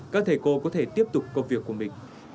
các thầy cô có thể tiếp tục công việc của mình